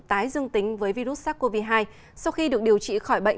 tái dương tính với virus sars cov hai sau khi được điều trị khỏi bệnh